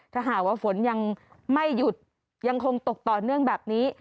ถ้าหากว่าฝนยังไม่หยุดยังคงตกต่อเนื่องแบบนี้